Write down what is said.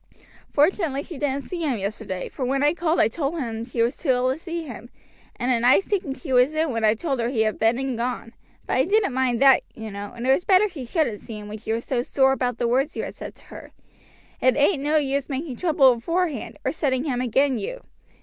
Fortunately she didn't see him yesterday; for when he called I told him she was too ill to see him, and a nice taking she was in when I told her he had been and gone; but I didn't mind that, you know, and it was better she shouldn't see him when she was so sore about the words you had said to her. It ain't no use making trouble aforehand, or setting him agin you.